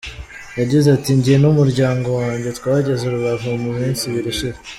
Yagize ati “Njye n’umuryango wanjye twageze i Rubavu mu minsi ibiri ishize.